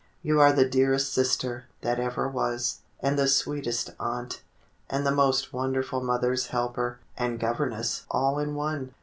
You are the dearest sister that ever was, and the sweetest aunt, and the most wonderful mother's helper and governess all in one.